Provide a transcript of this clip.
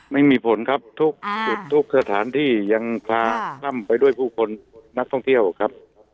ไม่มีผลครับทุกจุดทุกสถานที่ยังพาคล่ำไปด้วยผู้คนนักท่องเที่ยวครับ